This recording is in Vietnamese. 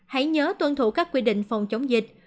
hãy nhớ tuân thủ các quy định phòng chống dịch